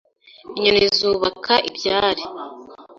Inyoni zubaka ibyari.